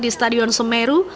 di stadion semeru